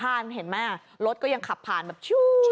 พี่ถ้าน้องเขาไม่แจ้งกู้ภัยคิดว่ารถเหยียบไหม